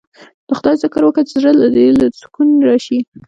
د خداى ذکر وکه چې زړه له دې سکون رايشي.